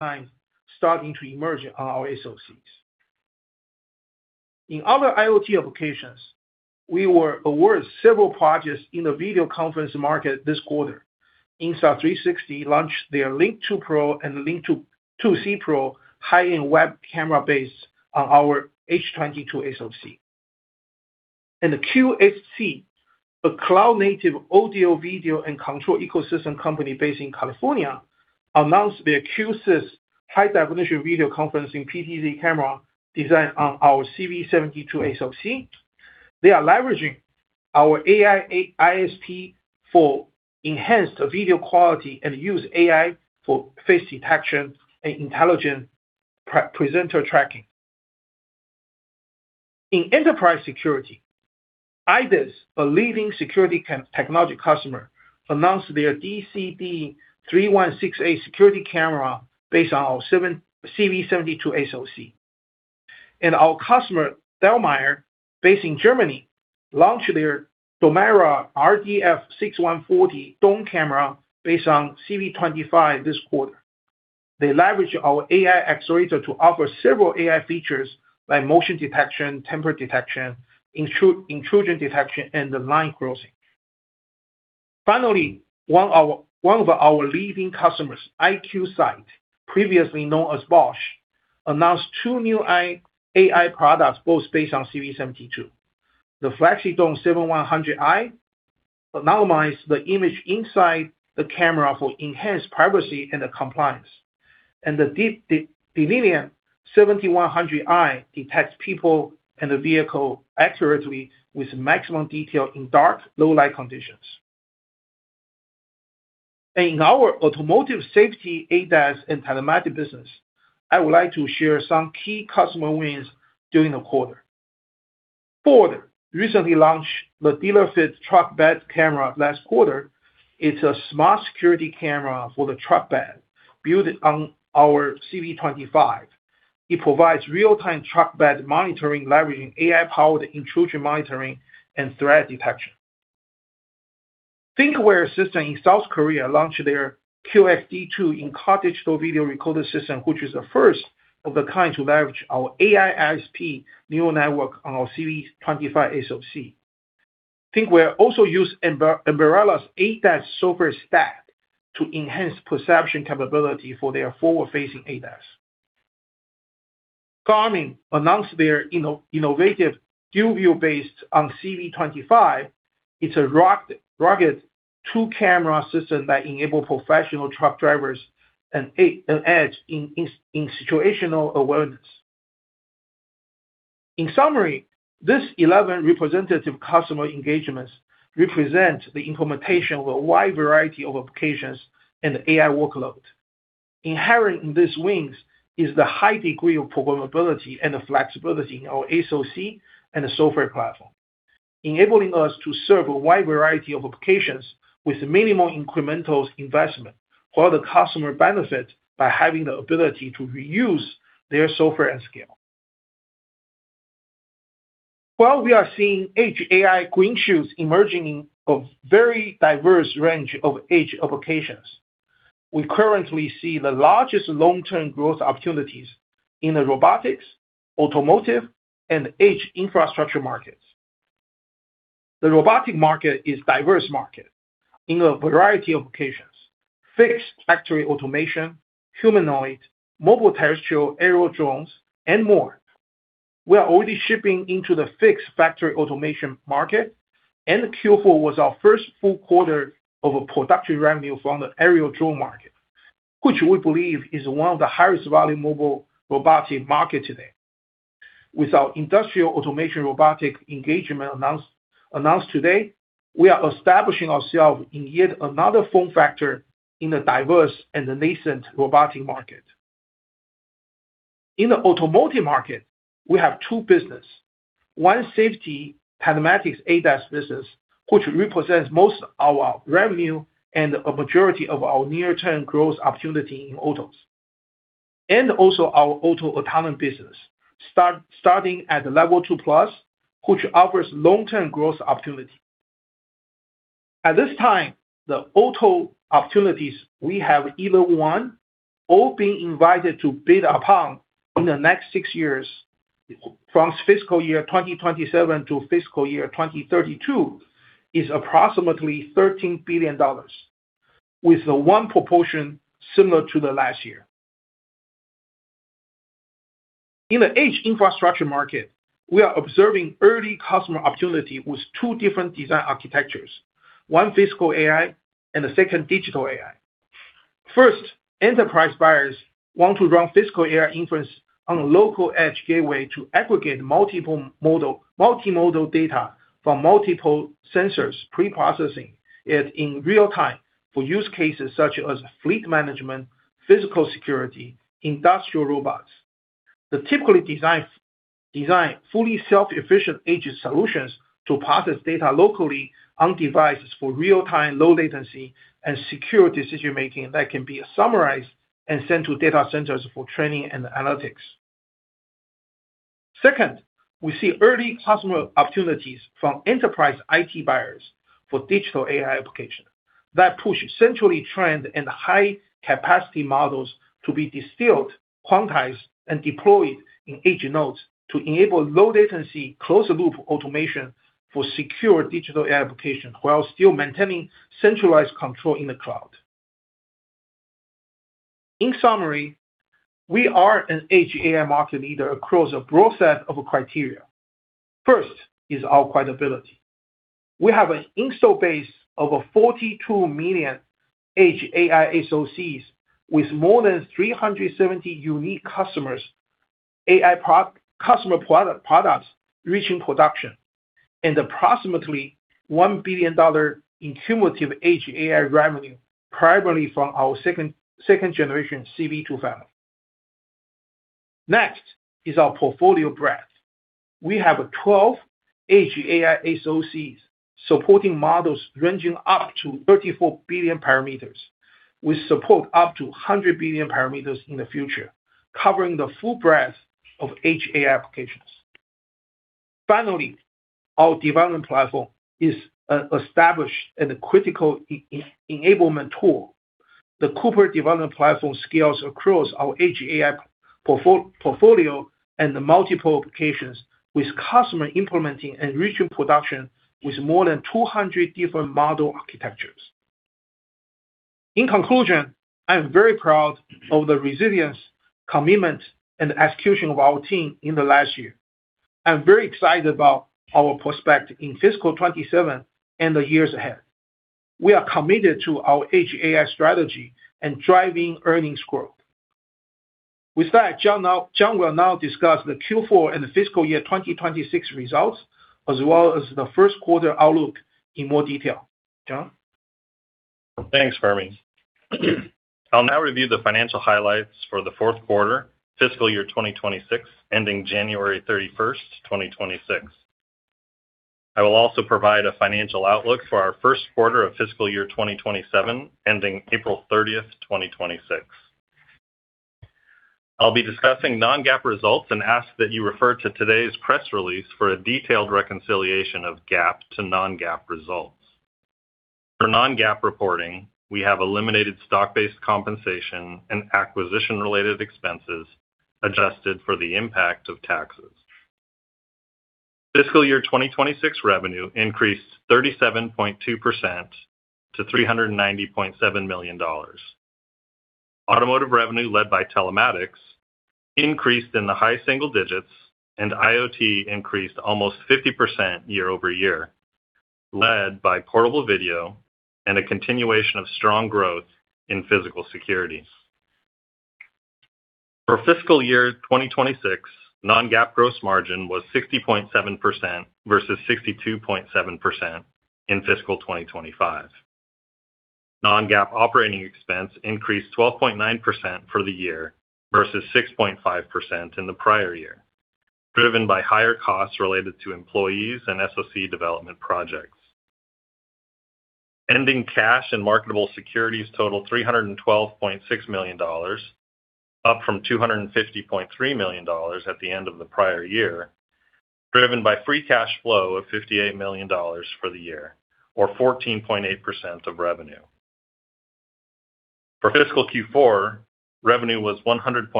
Time starting to emerge on our SoCs. In other IoT applications, we were awarded several projects in the video conference market this quarter. Insta360 launched their Link 2 Pro and Link 2C Pro high-end web camera base on our H22 SoC.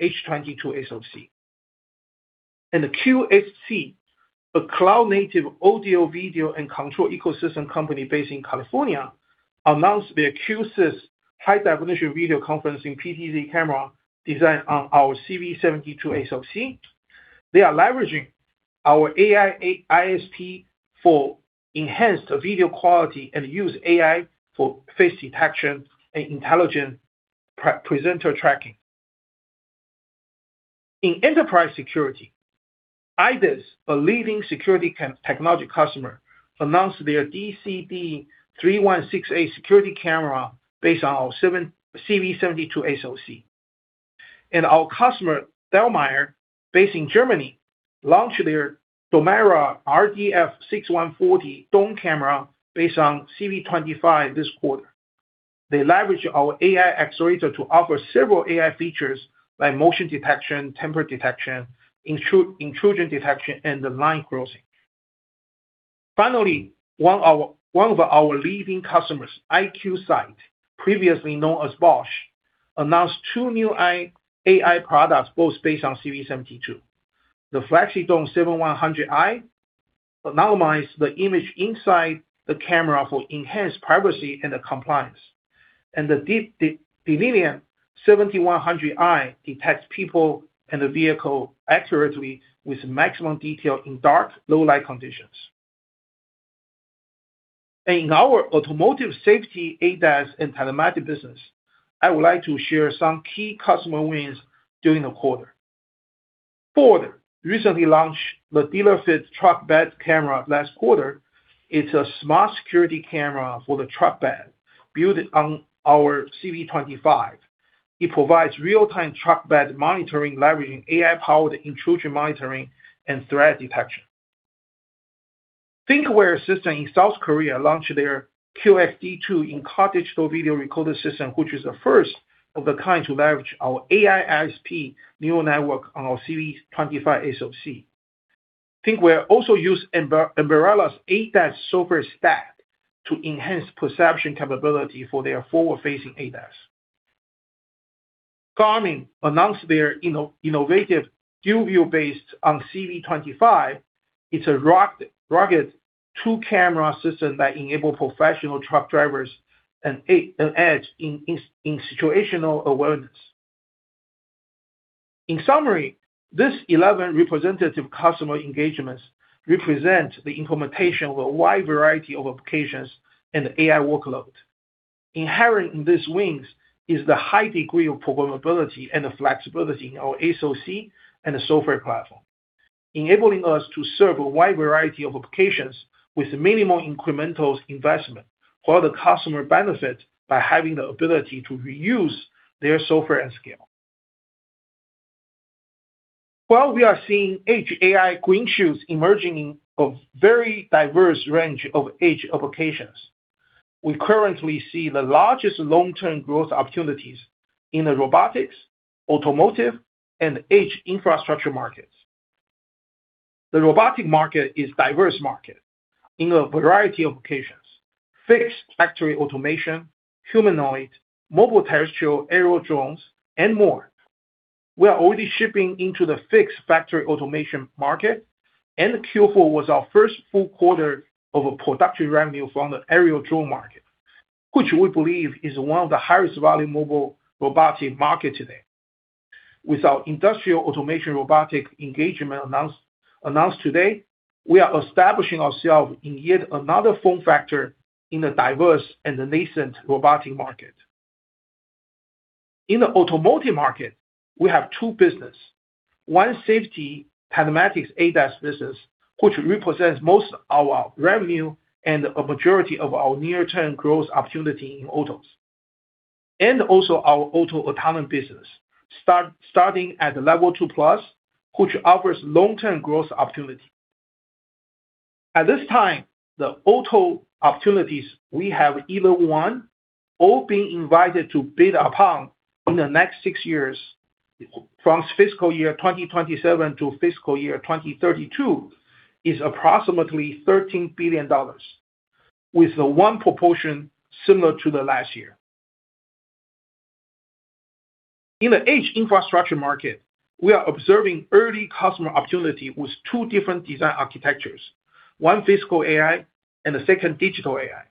The QSC, a cloud native audio video and control ecosystem company based in California, announced their Q-Sys high-definition video conferencing PTZ camera designed on our CV72 SoC. They are leveraging our AI ISP for enhanced video quality and use AI for face detection and intelligent pre-presenter tracking. In enterprise security, IDIS, a leading security technology customer, announced their DC-D3168 security camera based on our CV72 SoC. Our customer, Dallmeier, based in Germany, launched their Domera RDF6140 dome camera based on CV25 this quarter. They leverage our AI accelerator to offer several AI features like motion detection, tamper detection, intrusion detection, and the line crossing. Finally, one of our leading customers, IQSIGHT, previously known as Bosch, announced two new AI products, both based on CV72. The FLEXIDOME 7100i anonymize the image inside the camera for enhanced privacy and the compliance. The DINION 7100i detects people and the vehicle accurately with maximum detail in dark, low light conditions. In our automotive safety ADAS and telematic business, I would like to share some key customer wins during the quarter. Ford recently launched the DealerFit Truck Bed Camera last quarter. It's a smart security camera for the truck bed, built on our CV25. It provides real-time truck bed monitoring leveraging AI-powered intrusion monitoring and threat detection. Thinkware in South Korea launched their QXD2 in-car digital video recorder system, which is the first of the kind to leverage our AI ISP neural network on our CV25 SoC. Thinkware also use Ambarella's ADAS software stack to enhance perception capability for their forward-facing ADAS. Garmin announced their innovative Dual-View based on CV25. It's a rock-rugged two-camera system that enable professional truck drivers an edge in situational awareness. In summary, these 11 representative customer engagements represent the implementation of a wide variety of applications and AI workloads. Inherent in these wins is the high degree of programmability and the flexibility in our SoC and the software platform, enabling us to serve a wide variety of applications with minimal incremental investment while the customer benefits by having the ability to reuse their software and scale. While we are seeing edge AI green shoots emerging in a very diverse range of edge applications, we currently see the largest long-term growth opportunities in the robotics, automotive, and edge infrastructure markets. The robotic market is diverse market in a variety of applications: fixed factory automation, humanoid, mobile terrestrial, aerial drones, and more. Q4 was our first full quarter of a production revenue from the aerial drone market, which we believe is one of the highest value mobile robotic market today. With our industrial automation robotic engagement announced today, we are establishing ourselves in yet another form factor in the diverse and the nascent robotic market. In the automotive market, we have two business. One safety telematics ADAS business, which represents most our revenue and a majority of our near-term growth opportunity in autos. Also our auto autonomy business starting at Level 2+, which offers long-term growth opportunity. At this time, the auto opportunities we have either won or been invited to bid upon in the next six years from fiscal year 2027 to fiscal year 2032 is approximately $13 billion, with the won proportion similar to the last year. In the edge infrastructure market, we are observing early customer opportunity with two different design architectures. One physical AI and the second digital AI.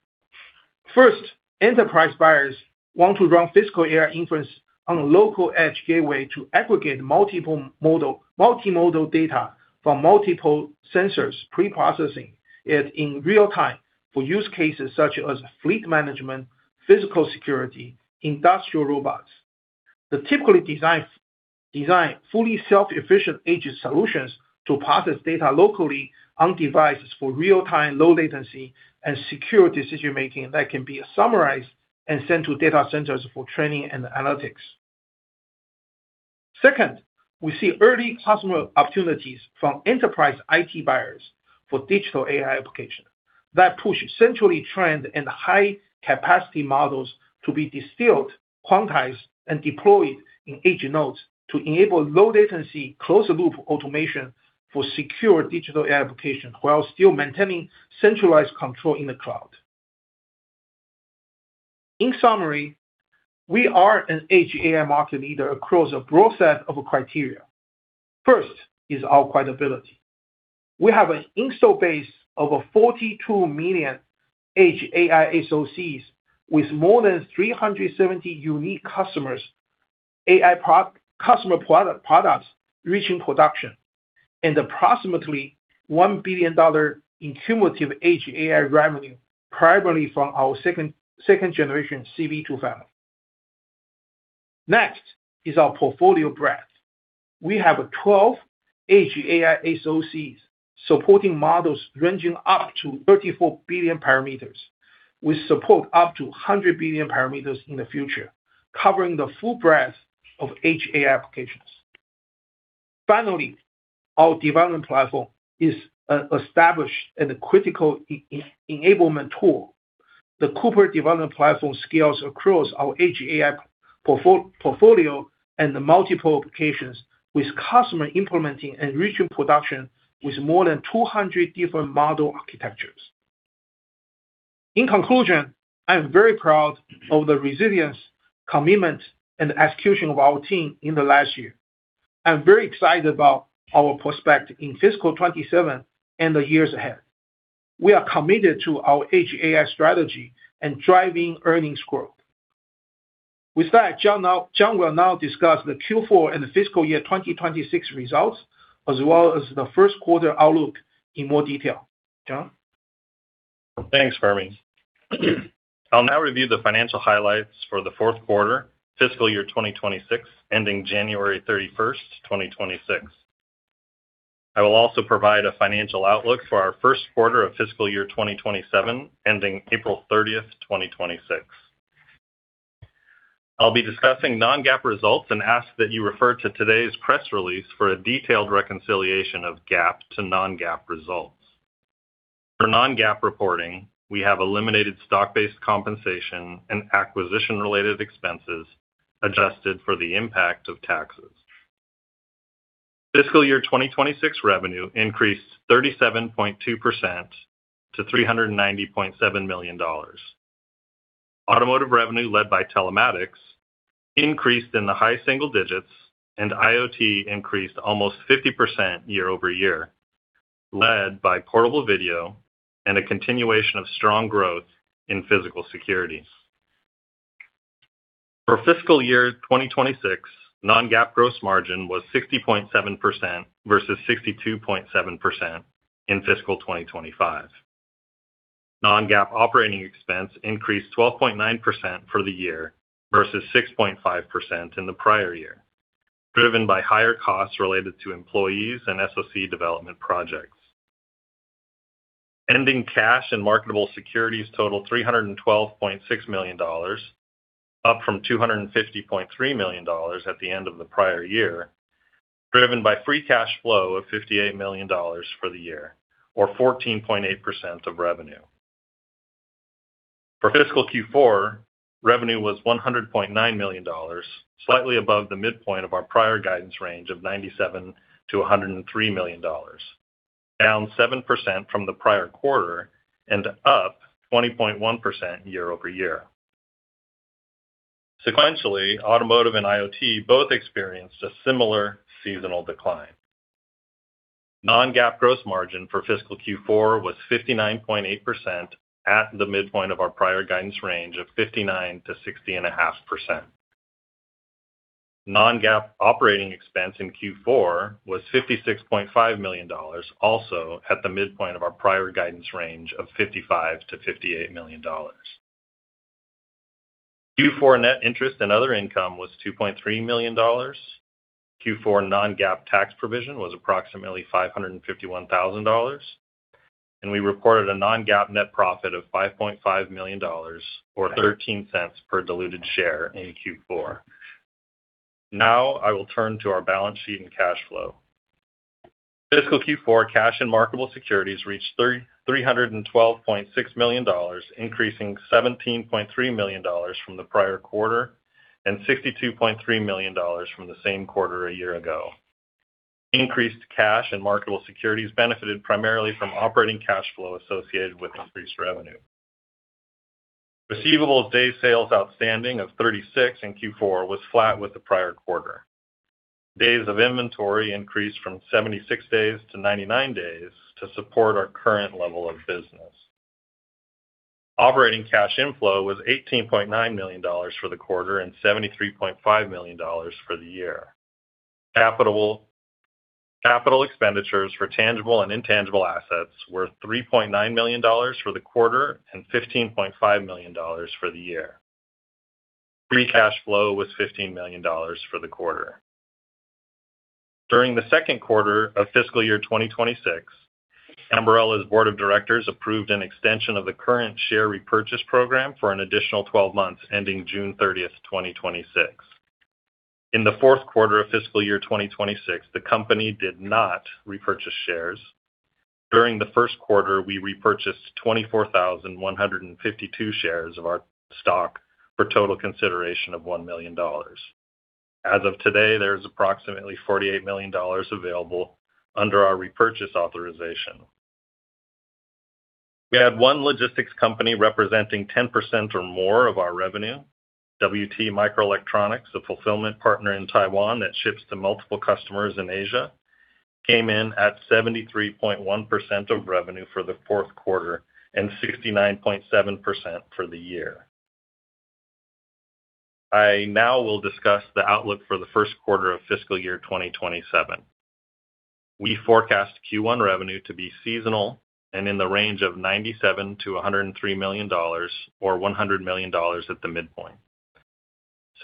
First, enterprise buyers want to run physical AI inference on a local edge gateway to aggregate multiple multi-modal data from multiple sensors preprocessing it in real time for use cases such as fleet management, physical security, industrial robots. They typically design fully self-sufficient edge solutions to process data locally on devices for real-time, low latency, and secure decision making that can be summarized and sent to data centers for training and analytics. Second, we see early customer opportunities from enterprise IT buyers for digital AI application that push centrally trained and high capacity models to be distilled, quantized, and deployed in edge nodes to enable low latency, closed loop automation for secure digital application while still maintaining centralized control in the cloud. In summary, we are an edge AI market leader across a broad set of criteria. First is our credibility. We have an install base of a 42 million edge AI SoCs with more than 370 unique customers, AI customer products reaching production, and approximately $1 billion in cumulative edge AI revenue, primarily from our second generation CV2 family. Next is our portfolio breadth. We have a 12 edge AI SoCs supporting models ranging up to 34 billion parameters. We support up to 100 billion parameters in the future, covering the full breadth of edge AI applications. Finally, our development platform is established and a critical enablement tool. The Cooper development platform scales across our edge AI portfolio and the multiple applications with customer implementing and reaching production with more than 200 different model architectures. In conclusion, I am very proud of the resilience, commitment, and execution of our team in the last year. I'm very excited about our prospect in fiscal 2027 and the years ahead. We are committed to our edge AI strategy and driving earnings growth. John will now discuss the Q4 and the fiscal year 2026 results, as well as the first quarter outlook in more detail. John? Thanks, Fermi. I'll now review the financial highlights for the fourth quarter fiscal year 2026, ending January 31, 2026. I will also provide a financial outlook for our first quarter of fiscal year 2027, ending April 30, 2026. I'll be discussing non-GAAP results and ask that you refer to today's press release for a detailed reconciliation of GAAP to non-GAAP results. For non-GAAP reporting, we have eliminated stock-based compensation and acquisition-related expenses adjusted for the impact of taxes. Fiscal year 2026 revenue increased 37.2% to $390.7 million. Automotive revenue led by telematics increased in the high single digits, and IoT increased almost 50% year-over-year, led by portable video and a continuation of strong growth in physical securities. For fiscal year 2026, non-GAAP gross margin was 60.7% versus 62.7% in fiscal 2025. Non-GAAP OpEx increased 12.9% for the year versus 6.5% in the prior year, driven by higher costs related to employees and SoC development projects. Ending cash and marketable securities totaled $312.6 million, up from $250.3 million at the end of the prior year, driven by free cash flow of $58 million for the year, or 14.8% of revenue. For fiscal Q4, revenue was $100.9 million, slightly above the midpoint of our prior guidance range of $97 million-$103 million, down 7% from the prior quarter and up 20.1% year-over-year. Sequentially, automotive and IoT both experienced a similar seasonal decline. Non-GAAP gross margin for fiscal Q4 was 59.8% at the midpoint of our prior guidance range of 59%-60.5%. Non-GAAP OpEx in Q4 was $56.5 million, also at the midpoint of our prior guidance range of $55 million-$58 million. Q4 net interest and other income was $2.3 million. Q4 non-GAAP tax provision was approximately $551,000, and we reported a non-GAAP net profit of $5.5 million or $0.13 per diluted share in Q4. Now, I will turn to our balance sheet and cash flow. Fiscal Q4 cash and marketable securities reached $312.6 million, increasing $17.3 million from the prior quarter and $62.3 million from the same quarter a year ago. Increased cash and marketable securities benefited primarily from operating cash flow associated with increased revenue. Receivables day sales outstanding of 36 in Q4 was flat with the prior quarter. Days of inventory increased from 76 days to 99 days to support our current level of business. Operating Cash Inflow was $18.9 million for the quarter and $73.5 million for the year. Capital expenditures for tangible and intangible assets were $3.9 million for the quarter and $15.5 million for the year. Free cash flow was $15 million for the quarter. During the second quarter of fiscal year 2026, Ambarella's board of directors approved an extension of the current share repurchase program for an additional 12 months, ending June 30th, 2026. In the fourth quarter of fiscal year 2026, the company did not repurchase shares. During the first quarter, we repurchased 24,152 shares of our stock for total consideration of $1 million. As of today, there is approximately $48 million available under our repurchase authorization. We had 1 logistics company representing 10% or more of our revenue. WT Microelectronics, a fulfillment partner in Taiwan that ships to multiple customers in Asia, came in at 73.1% of revenue for the fourth quarter and 69.7% for the year. I now will discuss the outlook for the first quarter of fiscal year 2027. We forecast Q1 revenue to be seasonal and in the range of $97 million-$103 million or $100 million at the midpoint.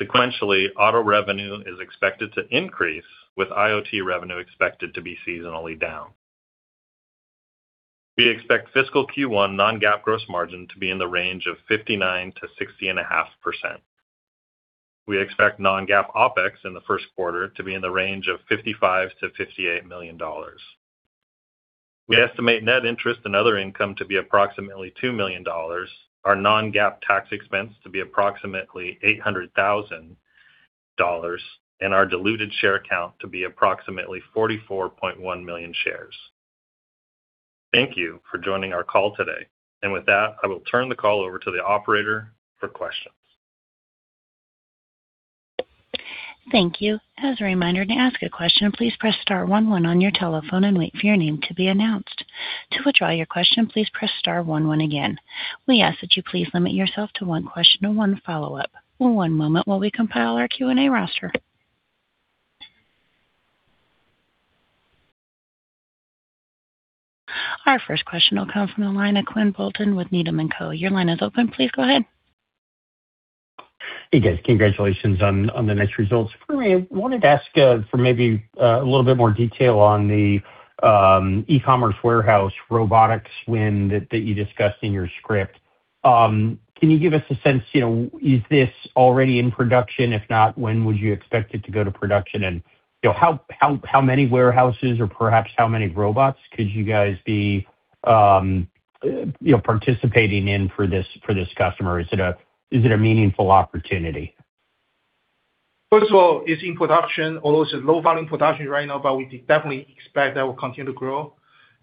Sequentially, auto revenue is expected to increase, with IoT revenue expected to be seasonally down. We expect fiscal Q1 non-GAAP gross margin to be in the range of 59%-60.5%. We expect non-GAAP OpEx in the first quarter to be in the range of $55 million-$58 million. We estimate net interest and other income to be approximately $2 million, our non-GAAP tax expense to be approximately $800,000, and our diluted share count to be approximately 44.1 million shares. Thank you for joining our call today. With that, I will turn the call over to the operator for questions. Thank you. As a reminder, to ask a question, please press star one one on your telephone and wait for your name to be announced. To withdraw your question, please press star one one again. We ask that you please limit yourself to one question or one follow-up. One moment while we compile our Q&A roster. Our first question will come from the line of Quinn Bolton with Needham & Company. Your line is open. Please go ahead. Hey, guys. Congratulations on the next results. For me, I wanted to ask for maybe a little bit more detail on the e-commerce warehouse robotics win that you discussed in your script. Can you give us a sense, you know, is this already in production? If not, when would you expect it to go to production? You know, how many warehouses or perhaps how many robots could you guys be, you know, participating in for this customer? Is it a meaningful opportunity? First of all, it's in production, although it's a low volume production right now. We definitely expect that will continue to grow,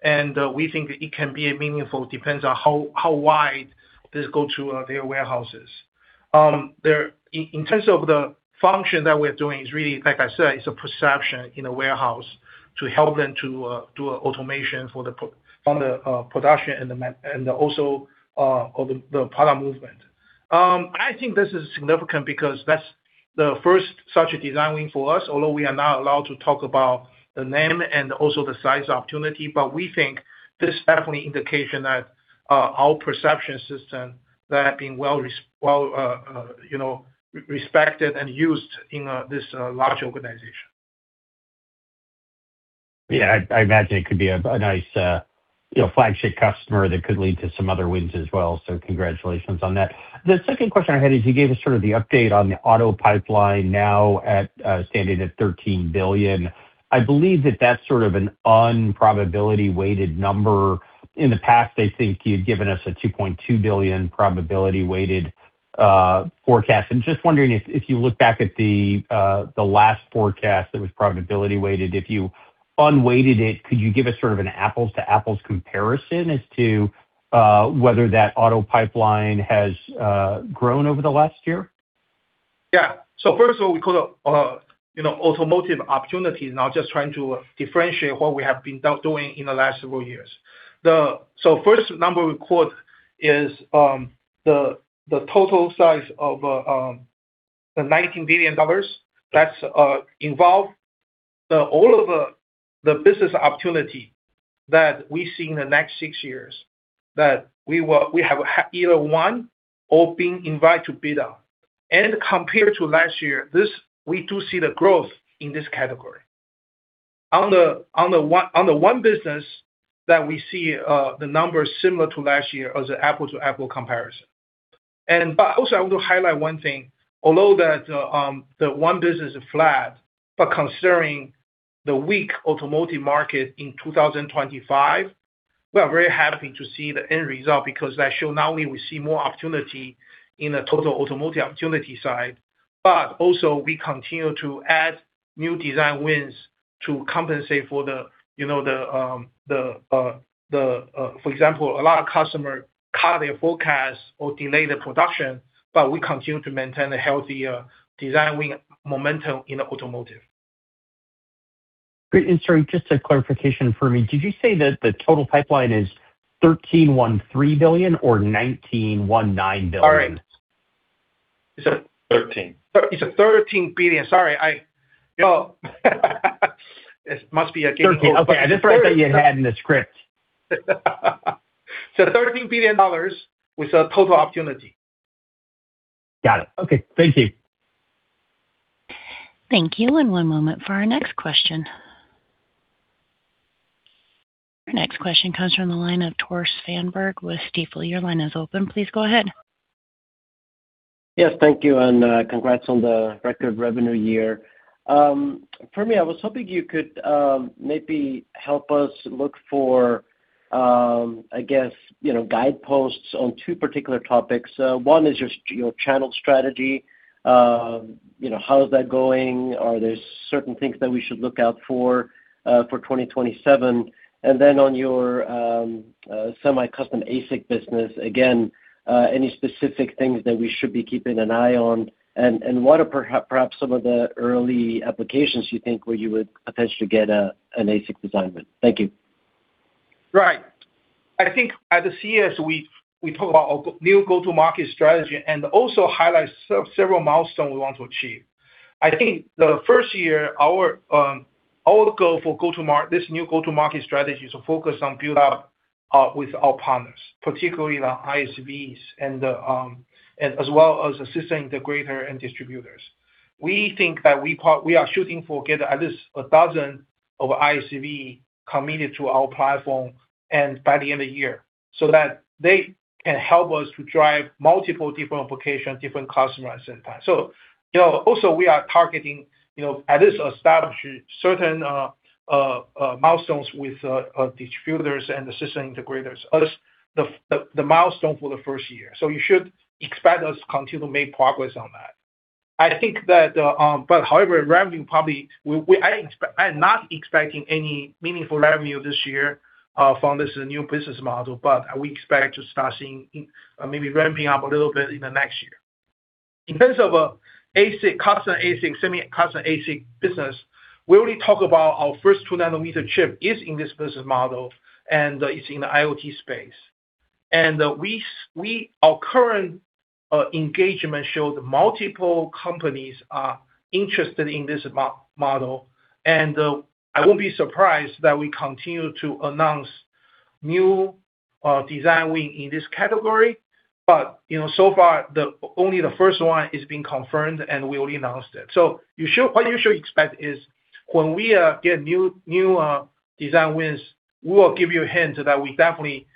and we think it can be a meaningful, depends on how wide this go to their warehouses. In terms of the function that we're doing, is really, like I said, it's a perception in a warehouse to help them to do automation from the production and the man, and also of the product movement. I think this is significant because that's the first such design win for us, although we are not allowed to talk about the name and also the size opportunity. We think this definitely indication that our perception system that being well, you know, respected and used in this large organization. I imagine it could be a nice, you know, flagship customer that could lead to some other wins as well. Congratulations on that. The second question I had is you gave us sort of the update on the auto pipeline now standing at $13 billion. I believe that that's sort of an unprobability weighted number. In the past, I think you'd given us a $2.2 billion probability weighted forecast. I'm just wondering if you look back at the last forecast that was probability weighted, if you unweighted it, could you give us sort of an apples to apples comparison as to whether that auto pipeline has grown over the last year? Yeah. First of all, we call it, you know, automotive opportunities, not just trying to differentiate what we have been doing in the last several years. First number we quote is, the total size of, the $19 billion that's involved. All of the business opportunity that we see in the next six years, that we will, we have either won or been invited to bid on. Compared to last year, this, we do see the growth in this category. On the one business that we see, the numbers similar to last year as an apple to apple comparison. Also, I want to highlight one thing. Although that, the one business is flat, but considering the weak automotive market in 2025, we are very happy to see the end result because that show not only we see more opportunity in the total automotive opportunity side, but also we continue to add new design wins to compensate for the, you know. For example, a lot of customers cut their forecast or delay the production, but we continue to maintain a healthy design win momentum in the automotive. Great. Sorry, just a clarification for me. Did you say that the total pipeline is $13 billion or $19 billion? Sorry. It's. $13 billion. It's a $13 billion. Sorry, I, you know, it must be a game. Okay. I just read that you had in the script. $13 billion was a total opportunity. Got it. Okay. Thank you. Thank you. One moment for our next question. Our next question comes from the line of Tore Svanberg with Stifel. Your line is open. Please go ahead. Yes, thank you and congrats on the record revenue year. Fermi, I was hoping you could maybe help us look for, I guess, you know, guideposts on two particular topics. One is just your channel strategy. You know, how is that going? Are there certain things that we should look out for 2027? Then on your semi-custom ASIC business, again, any specific things that we should be keeping an eye on? And what are perhaps some of the early applications you think where you would potentially get an ASIC design win? Thank you. I think at CES, we talk about our new go-to-market strategy and also highlight several milestones we want to achieve. I think the first year, our goal for this new go-to-market strategy is to focus on build out with our partners, particularly the ISVs and as well as assisting the greater end distributors. We think that we are shooting for get at least 1,000 ISV committed to our platform, and by the end of year, so that they can help us to drive multiple different applications, different customers at the same time. Also, you know, we are targeting, you know, at least establish certain milestones with distributors and assistant integrators. That is the milestone for the first year. You should expect us to continue to make progress on that. I think that, however, revenue probably, I am not expecting any meaningful revenue this year from this new business model, but we expect to start seeing, maybe ramping up a little bit in the next year. In terms of ASIC, custom ASIC, semi-custom ASIC business, we already talk about our first 2-nanometer chip is in this business model, and it's in the IoT space. Our current engagement shows multiple companies are interested in this model. I won't be surprised that we continue to announce new design win in this category, but, you know, so far, only the first one is being confirmed, and we already announced it. You what you should expect is when we get new design wins, we will give you a hint that we definitely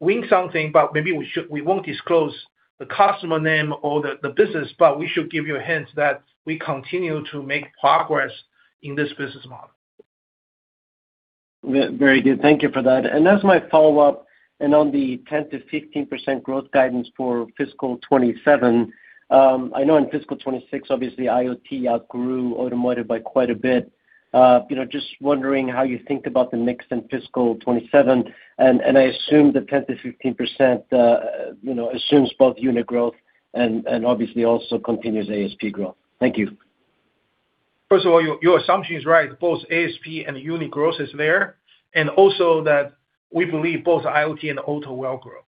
win something, but maybe we won't disclose the customer name or the business, but we should give you hints that we continue to make progress in this business model. Very good. Thank you for that. As my follow-up, and on the 10%-15% growth guidance for fiscal 2027, I know in fiscal 2026, obviously IoT outgrew automotive by quite a bit. You know, just wondering how you think about the mix in fiscal 2027. I assume the 10%-15%, you know, assumes both unit growth and obviously also continuous ASP growth. Thank you. First of all, your assumption is right. Both ASP and unit growth is there, and also that we believe both IoT and auto will grow.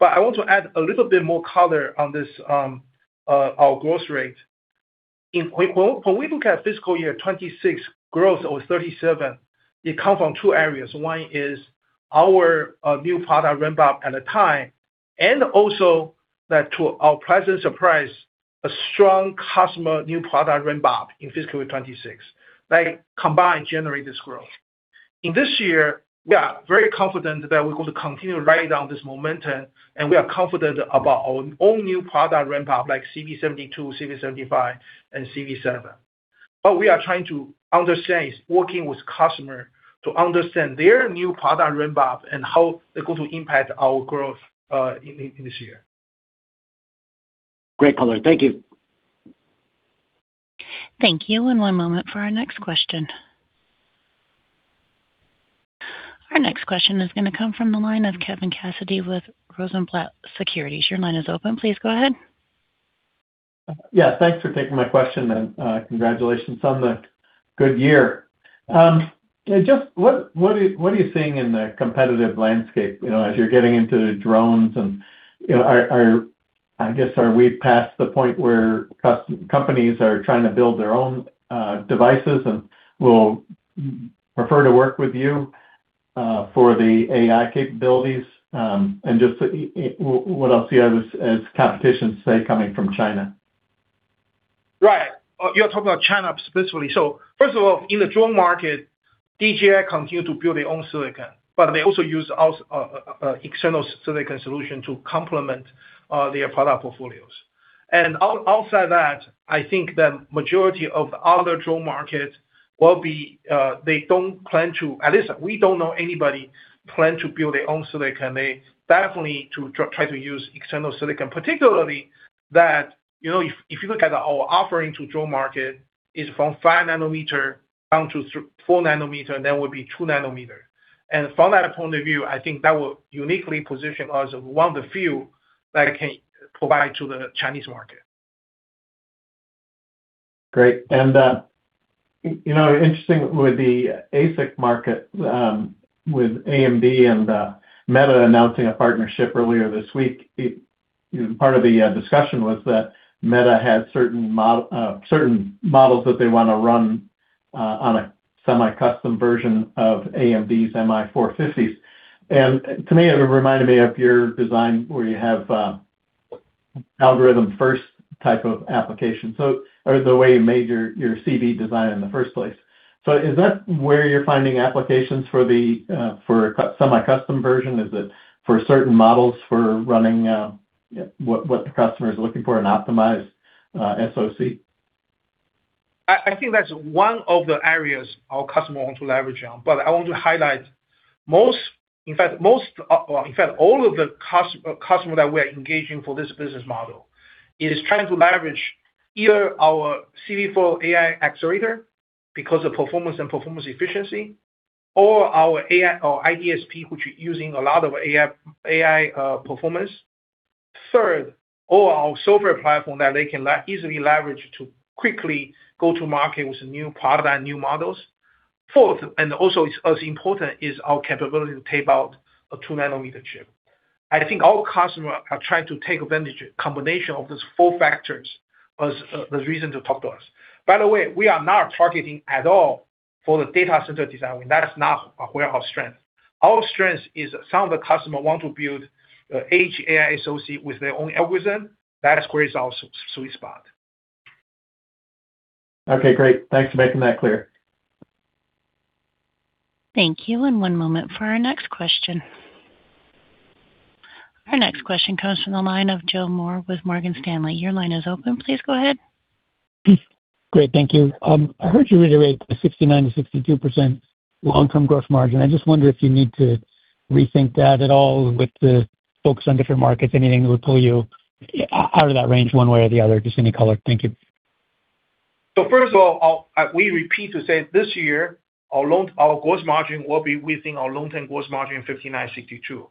I want to add a little bit more color on this, our growth rate. When we look at fiscal year 2026 growth over 37, it comes from two areas. One is our new product ramp up at the time, and also that to our presence of price, a strong customer new product ramp up in fiscal year 2026. They combine, generate this growth. In this year, we are very confident that we're going to continue to ride down this momentum, and we are confident about our own new product ramp up like CV72, CV75, and CV7.What we are trying to understand is working with customer to understand their new product ramp up and how they're going to impact our growth in this year. Great color. Thank you. Thank you. One moment for our next question. Our next question is gonna come from the line of Kevin Cassidy with Rosenblatt Securities. Your line is open. Please go ahead. Yeah, thanks for taking my question, and congratulations on the good year. Just what are you seeing in the competitive landscape, you know, as you're getting into drones and, you know, are we past the point where companies are trying to build their own devices and will prefer to work with you for the AI capabilities? Just what else you have as competition, say, coming from China? You're talking about China specifically. First of all, in the drone market, DJI continue to build their own silicon, but they also use external silicon solution to complement their product portfolios. Outside that, I think the majority of the other drone market will be, they don't plan to. At least we don't know anybody plan to build their own silicon. They definitely try to use external silicon, particularly that, you know, if you look at our offering to drone market is from 5-nanometer down to 4-nanometer, and then will be 2-nanometer. From that point of view, I think that will uniquely position us as one of the few that can provide to the Chinese market. Great. you know, interesting with the ASIC market with AMD and Meta announcing a partnership earlier this week. Part of the discussion was that Meta has certain models that they want to runOn a semi-custom version of AMD's MI450s. To me, it reminded me of your design where you have algorithm first type of application or the way you made your CV design in the first place. Is that where you're finding applications for the semi-custom version? Is it for certain models for running what the customer is looking for an optimized SoC? I think that's one of the areas our customer want to leverage on. I want to highlight most, in fact, most, or in fact, all of the customer that we are engaging for this business model is trying to leverage either our CV4 AI accelerator because of performance and performance efficiency, or our AI or IDSP, which is using a lot of AI performance. Third, our software platform that they can easily leverage to quickly go to market with new product and new models. Fourth, also as important, is our capability to tape out a 2-nanometer chip. I think all customers are trying to take advantage of combination of those four factors as reason to talk to us. By the way, we are not targeting at all for the data center design. That's not where our strength. Our strength is some of the customer want to build edge AI SoC with their own algorithm. That square is our sweet spot. Okay, great. Thanks for making that clear. Thank you. One moment for our next question. Our next question comes from the line of Joe Moore with Morgan Stanley. Your line is open. Please go ahead. Great, thank you. I heard you reiterate the 69%-62% long-term gross margin. I just wonder if you need to rethink that at all with the focus on different markets. Anything that would pull you out of that range one way or the other, just any color. Thank you. First of all, we repeat to say this year our long, our gross margin will be within our long-term gross margin 59%-62%.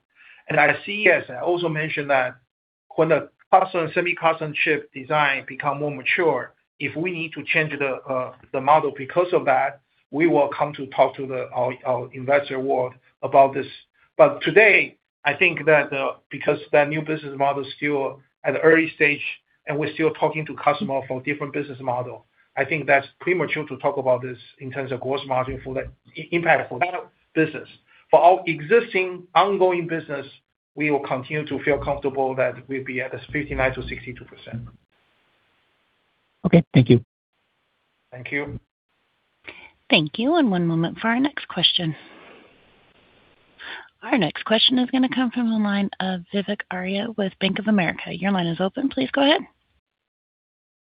At CES, I also mentioned that when the custom, semi-custom chip design become more mature, if we need to change the model because of that, we will come to talk to our investor world about this. Today, I think that because the new business model is still at an early stage and we're still talking to customer for different business model, I think that's premature to talk about this in terms of gross margin for the impact for that business. For our existing ongoing business, we will continue to feel comfortable that we'll be at a 59%-62%. Okay. Thank you. Thank you. Thank you. One moment for our next question. Our next question is gonna come from the line of Vivek Arya with Bank of America. Your line is open. Please go ahead.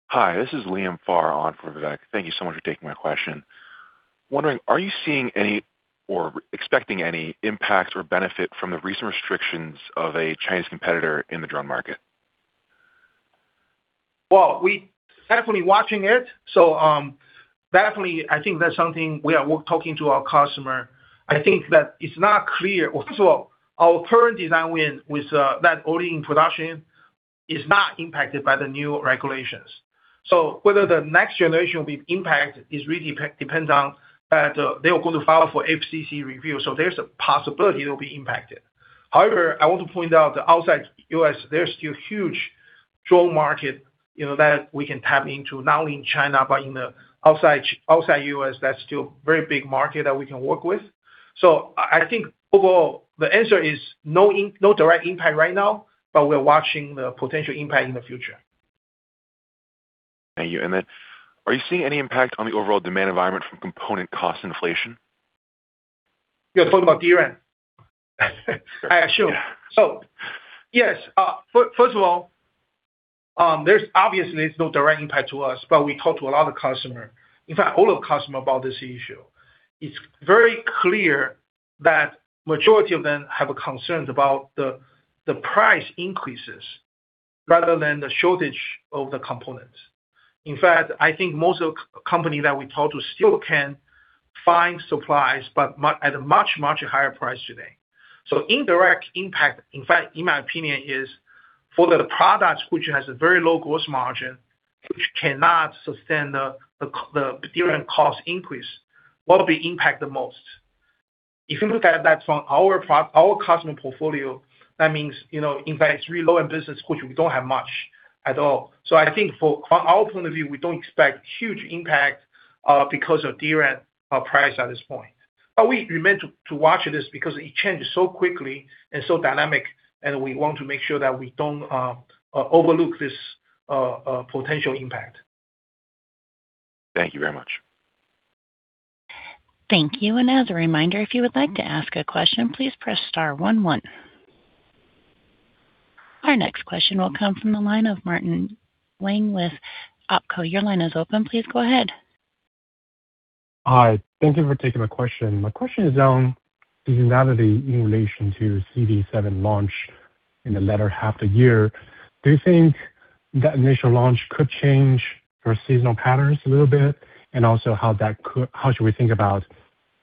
Hi, this is Liam Pharr on for Vivek. Thank you so much for taking my question. Wondering, are you seeing any or expecting any impacts or benefit from the recent restrictions of a Chinese competitor in the drone market? Well, we definitely watching it. Definitely, I think that's something we are talking to our customer. I think that it's not clear. Also, our current design win with that already in production is not impacted by the new regulations. Whether the next generation will be impacted is really depends on that they are going to file for FCC review. There's a possibility it will be impacted. However, I want to point out that outside U.S., there's still huge drone market, you know, that we can tap into, not only in China, but in the outside U.S. That's still a very big market that we can work with. I think overall, the answer is no direct impact right now, but we're watching the potential impact in the future. Thank you. Are you seeing any impact on the overall demand environment from component cost inflation? You're talking about DRAM? Sure. Yes, first of all, there's obviously no direct impact to us, but we talk to a lot of customers, in fact, all of customers about this issue. It's very clear that majority of them have concerns about the price increases rather than the shortage of the components. In fact, I think most of the companies that we talk to still can find supplies, but at a much higher price today. Indirect impact, in fact, in my opinion, is for the products which have a very low gross margin, which cannot sustain the DRAM cost increase will be impacted the most. If you look at that from our customer portfolio, that means, you know, in fact, it's really low-end business, which we don't have much at all. I think from our point of view, we don't expect huge impact, because of DRAM price at this point. But we remain to watch this because it changes so quickly and so dynamic, and we want to make sure that we don't overlook this potential impact. Thank you very much. Thank you. As a reminder, if you would like to ask a question, please press star 11. Our next question will come from the line of Martin Yang with Oppenheimer. Your line is open. Please go ahead. Hi. Thank you for taking my question. My question is on seasonality in relation to CV7 launch in the latter half the year. Do you think that initial launch could change your seasonal patterns a little bit? Also, how should we think about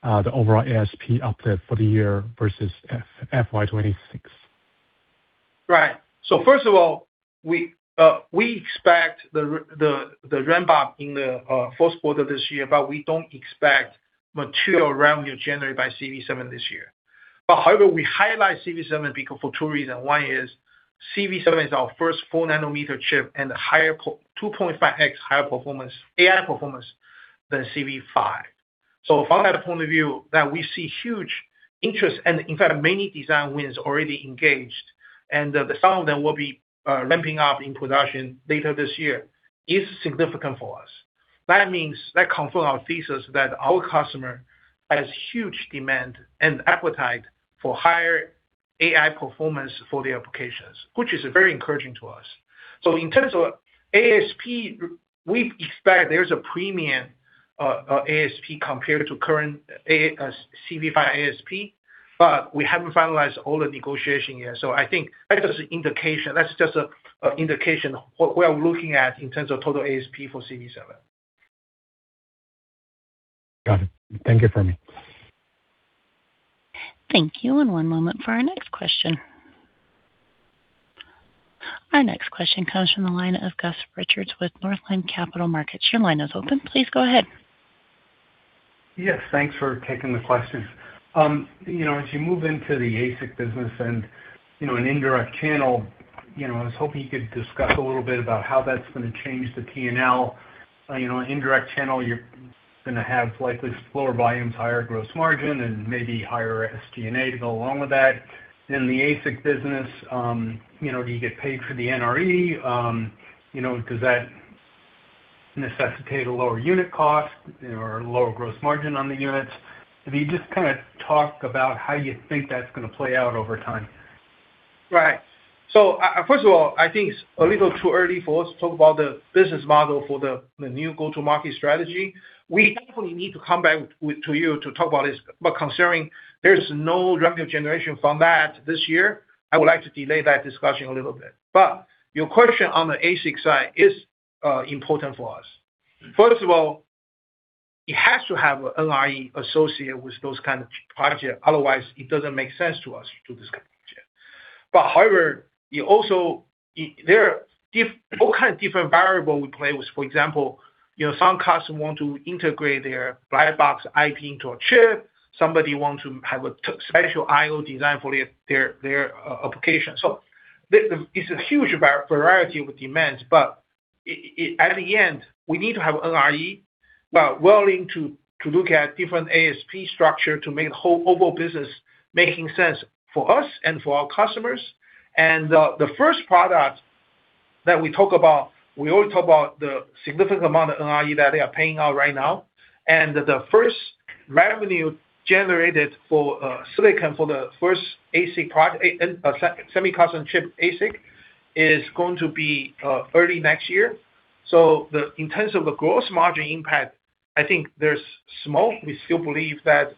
the overall ASP uplift for the year versus FY 2026? Right. First of all, we expect the ramp up in the fourth quarter this year. We don't expect material revenue generated by CV7 this year. However, we highlight CV7 because for two reasons. One is CV7 is our first 4-nanometer chip and higher, 2.5x higher performance, AI performance than CV5. From that point of view, that we see huge interest and in fact, many design wins already engaged, and some of them will be ramping up in production later this year, is significant for us. That means that confirm our thesis that our customer has huge demand and appetite for higher AI performance for the applications, which is very encouraging to us. In terms of ASP, we expect there's a premium ASP compared to current CV5 ASP, but we haven't finalized all the negotiation yet. I think that is an indication. That's just an indication what we are looking at in terms of total ASP for CV7. Got it. Thank you, Fermi. Thank you. One moment for our next question. Our next question comes from the line of Gus Richard with Northland Capital Markets. Your line is open. Please go ahead. Yes, thanks for taking the questions. You know, as you move into the ASIC business and, you know, an indirect channel, you know, I was hoping you could discuss a little bit about how that's going to change the PNL. You know, indirect channel, you're going to have likely lower volumes, higher gross margin, and maybe higher SG&A to go along with that. In the ASIC business, you know, do you get paid for the NRE? You know, does that necessitate a lower unit cost or a lower gross margin on the units? If you just kind of talk about how you think that's going to play out over time. First of all, I think it's a little too early for us to talk about the business model for the new go-to-market strategy. We definitely need to come back to you to talk about this, considering there's no revenue generation from that this year, I would like to delay that discussion a little bit. Your question on the ASIC side is important for us. First of all, it has to have NRE associated with those kind of projects, otherwise it doesn't make sense to us to do this kind of project. However, there are all kinds of different variable we play with. For example, you know, some customers want to integrate their black box IP into a chip. Somebody wants to have a special IO design for their application. It's a huge variety of demands, but at the end, we need to have NRE. We are willing to look at different ASP structure to make the whole overall business making sense for us and for our customers. The first product that we talk about, we only talk about the significant amount of NRE that they are paying out right now. The first revenue generated for silicon, for the first ASIC product, semi-custom chip ASIC, is going to be early next year. In terms of the gross margin impact, I think there's small. We still believe that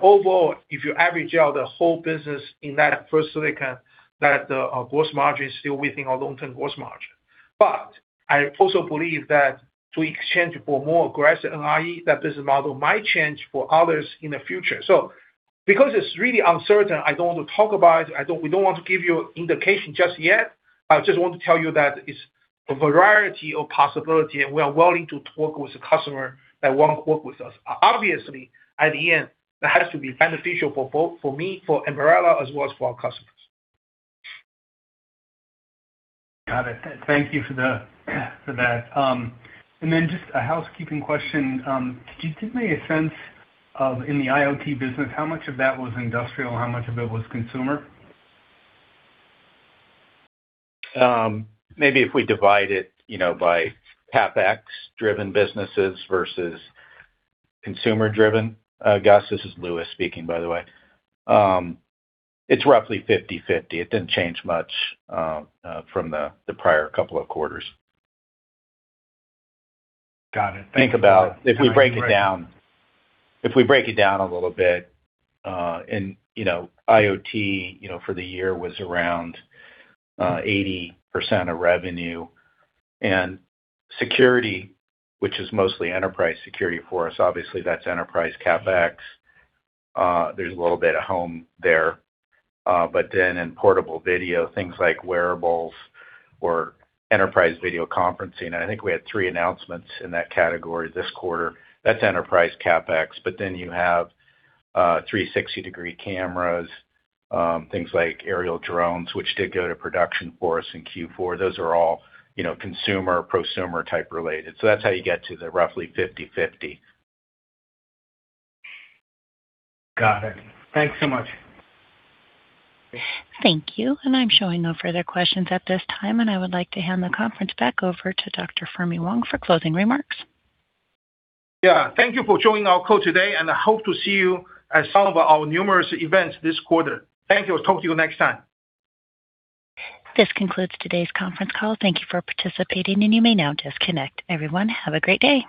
overall, if you average out the whole business in that first silicon, that the gross margin is still within our long-term gross margin. I also believe that to exchange for more aggressive NRE, that business model might change for others in the future. Because it's really uncertain, I don't want to talk about it. We don't want to give you indication just yet. I just want to tell you that it's a variety of possibility, and we are willing to talk with the customer that want to work with us. At the end, that has to be beneficial for both, for me, for Ambarella, as well as for our customers. Got it. Thank you for the, for that. Then just a housekeeping question. Could you give me a sense of, in the IoT business, how much of that was industrial, how much of it was consumer? Maybe if we divide it, you know, by CapEx-driven businesses versus consumer-driven. Gus, this is Louis speaking, by the way. It's roughly 50/50. It didn't change much from the prior couple of quarters. Got it. Think about if we break it down a little bit, you know, IoT, for the year was around 80% of revenue. Security, which is mostly enterprise security for us, obviously, that's enterprise CapEx. There's a little bit of home there. In portable video, things like wearables or enterprise video conferencing, and I think we had 3 announcements in that category this quarter. That's enterprise CapEx. You have 360-degree cameras, things like aerial drones, which did go to production for us in Q4. Those are all consumer, prosumer type related. That's how you get to the roughly 50/50. Got it. Thanks so much. Thank you. I'm showing no further questions at this time, and I would like to hand the conference back over to Dr. Fermi Wang for closing remarks. Yeah, thank you for joining our call today, and I hope to see you at some of our numerous events this quarter. Thank you. Talk to you next time This concludes today's conference call. Thank you for participating, and you may now disconnect. Everyone, have a great day.